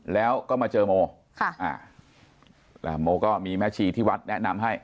แล้วก็มาเจอโมค่ะอ่าโมโมก็มีแม่ชีที่วัดแนะนำให้